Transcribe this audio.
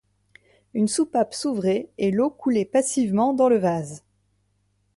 Une soupape s'ouvrait et l'eau coulait passivement dans le vase.